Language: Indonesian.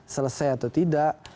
selesai atau tidak